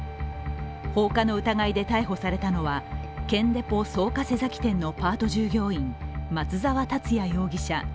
放火の疑いで逮捕されたのは建デポ草加瀬崎店のパート従業員松沢達也容疑者